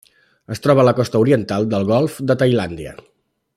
Es troba a la costa oriental del golf de Tailàndia.